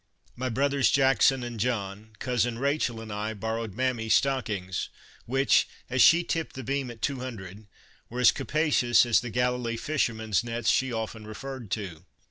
My brothers, Jackson and John, cousin Rachel and 1 borrowed Mammy's stockings, which, as she tipped the beam at 200, were as capacious as the Galilee fishermen's nets she often referred to.